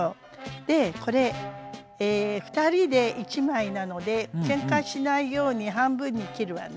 でこれ２人で１枚なのでけんかしないように半分に切るわね。